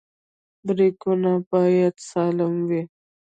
برېکونه باید سالم وي.